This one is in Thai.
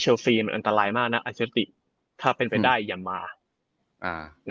เชียลซีมันอันตรายมากน่ะอันเฉคบิดถ้าเป็นไปได้อย่ามมาอ่า